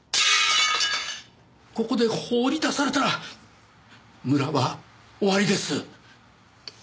ここで放り出されたら村は終わりです。